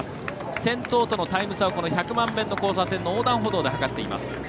先頭とのタイム差を百万遍の交差点の横断歩道で計っています。